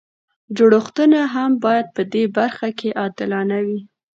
جوړښتونه هم باید په دې برخه کې عادلانه وي.